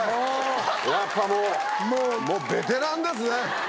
やっぱもうベテランですね。